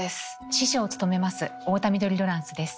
司書を務めます太田緑ロランスです。